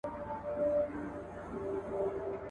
له هر درده سره مل وي سپېلنی پکښی پیدا کړي .